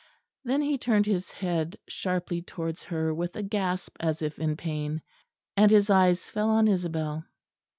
Then he turned his head sharply towards her with a gasp as if in pain; and his eyes fell on Isabel.